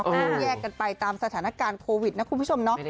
ต้องแยกกันไปตามสถานการณ์โควิดนะคุณผู้ชมเนาะ